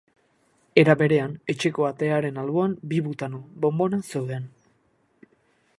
Era berean, etxeko atearen alboan bi butano bonbona zeuden.